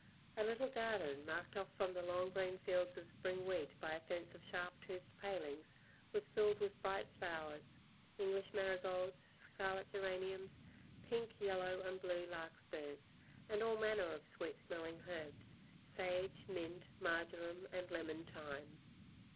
A little garden, marked off from the long green fields of spring wheat by a fence of sharp toothed palings, was filled with bright flowers English marigolds, scarlet geraniums, pink, yellow and blue larkspurs and all manner of sweet smelling herbs sage, mint, marjoram and lemon thyme.